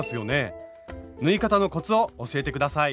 縫い方のコツを教えて下さい。